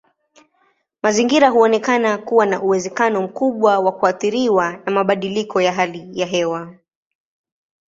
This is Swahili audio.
Mazingira huonekana kuwa na uwezekano mkubwa wa kuathiriwa na mabadiliko ya hali ya hewa.